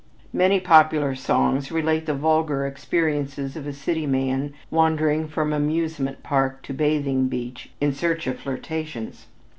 Many popular songs relate the vulgar experiences of a city man wandering from amusement park to bathing beach in search of flirtations.